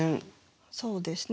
そうですね。